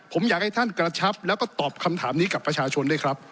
ผมอยากให้ท่านกระชับแล้วก็ตอบคำถามนี้กับประชาชนด้วยครับ